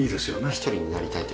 一人になりたい時とか。